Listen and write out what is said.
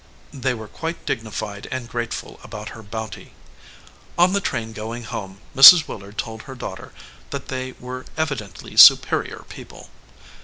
They were quite dignified and grateful about her bounty. On the train going home Mrs. Willard told her daughter that they were evidently superior people.